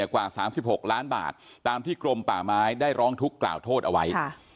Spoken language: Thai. กว่า๓๖ล้านบาทตามที่กรมป่าไม้ได้ร้องทุกข์กล่าวโทษเอาไว้